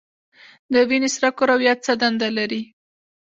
د وینې سره کرویات څه دنده لري؟